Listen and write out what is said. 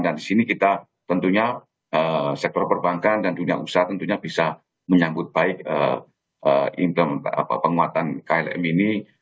dan di sini kita tentunya sektor perbankan dan dunia usaha tentunya bisa menyambut baik penguatan klm ini